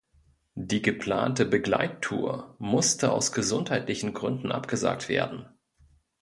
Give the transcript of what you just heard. Die geplante Begleittour musste aus gesundheitlichen Gründen abgesagt werden.